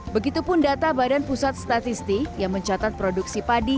begitupun data badan pusat statistik yang mencatat produksi padi